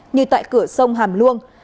như tại cửa sông hàm luông